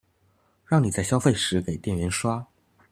讓你在消費時給店員刷